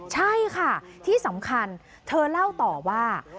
ใช่ค่ะที่สำคัญเธอเล่าต่อว่า